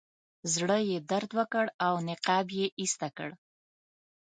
زړه یې درد وکړ او نقاب یې ایسته کړ.